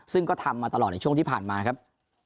ซึ่งก็ทำมาตลอดในช่วงที่ผ่านมาครับ